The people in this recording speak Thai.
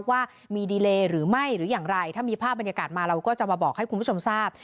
ว่ามีดีเลหรือไม่หรืออย่างไรถ้ามีภาพบรรยากาศมาเราก็จะมาบอกให้คุณผู้ชมทราบ